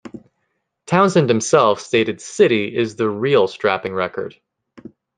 Townsend himself stated "City" "is the real Strapping record.